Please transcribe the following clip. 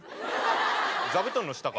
座布団の下か。